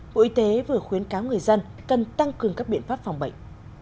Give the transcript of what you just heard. bộ y tế vừa khuyến cáo người dân cần tăng cường các biện pháp phòng bệnh